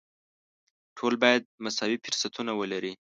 ټول باید مساوي فرصتونه ولري.